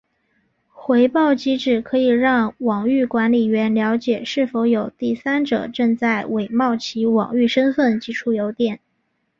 回报机制可以让网域管理员了解是否有第三者正在伪冒其网域身份寄出电邮。